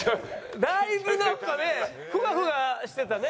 だいぶなんかねフワフワしてたね。